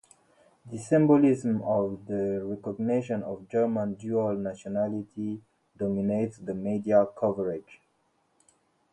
The "symbolism of the recognition of German dual nationality" dominated the media coverage.